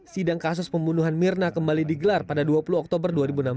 sidang kasus pembunuhan mirna kembali digelar pada dua puluh oktober dua ribu enam belas